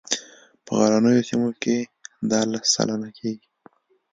په غرنیو سیمو کې دا لس سلنه کیږي